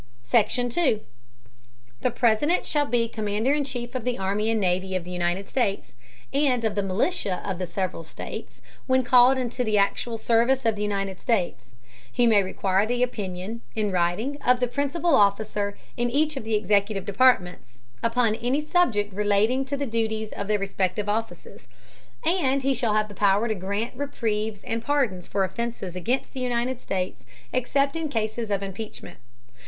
SECTION. 2. The President shall be Commander in Chief of the Army and Navy of the United States, and of the Militia of the several States, when called into the actual Service of the United States; he may require the Opinion, in writing, of the principal Officer in each of the executive Departments, upon any Subject relating to the Duties of their respective Offices, and he shall have Power to grant Reprieves and Pardons for Offences against the United States, except in Cases of Impeachment.